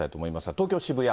東京・渋谷。